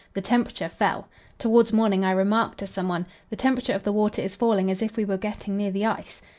the temperature fell. Towards morning I remarked to someone: "The temperature of the water is falling as if we were getting near the ice."